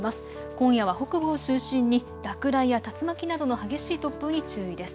今夜は北部を中心に落雷や竜巻などの激しい突風に注意です。